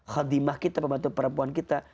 khodimah kita pembantu perempuan kita